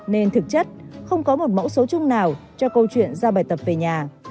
nên thực chất không có một mẫu số chung nào cho câu chuyện giao bài tập về nhà